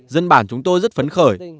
dân bản chúng tôi rất phấn khởi